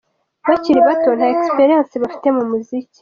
bakiri bato nta experience bafite mu muziki.